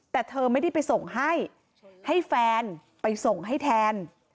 แต่เธอไม่ได้ไปส่งให้ให้แฟนไปส่งให้แทน